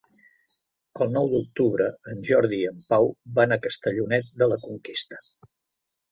El nou d'octubre en Jordi i en Pau van a Castellonet de la Conquesta.